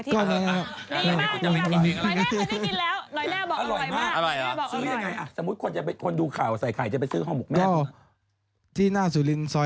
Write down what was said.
ก็อร่อยกว่าที่ที่กิน